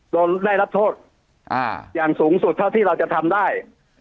ได้รับโทษอย่างสูงสุดเท่าที่เราจะทำได้